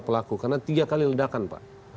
pelaku karena tiga kali ledakan pak